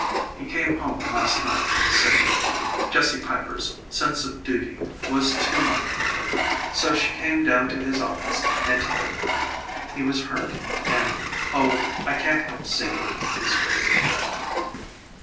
"He came home last night sick with it. Jessie Piper's sense of duty was to much for her, so she went down to his office and told him. He was hurt and oh, I can't help seeing it his way, Fred.